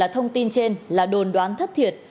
thông tin trên là đồn đoán thất thiệt